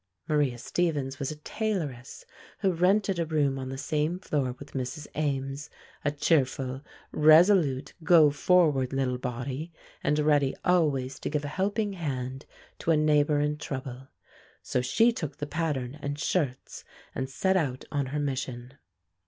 Maria Stephens was a tailoress, who rented a room on the same floor with Mrs. Ames, a cheerful, resolute, go forward little body, and ready always to give a helping hand to a neighbor in trouble. So she took the pattern and shirts, and set out on her mission.